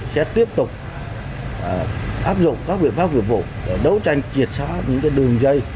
sẽ tiếp tục áp dụng các biện pháp nghiệp vụ đấu tranh triệt xóa những đường dây